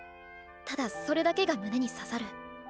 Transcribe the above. ただそれだけが胸に刺さる。